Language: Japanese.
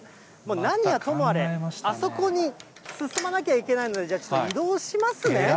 何はともあれ、あそこに進まなきゃいけないので、ちょっと移動しますね。